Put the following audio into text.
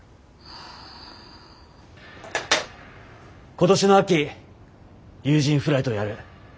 今年の秋有人フライトをやる。